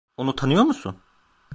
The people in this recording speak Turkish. Onu tanıyor musun?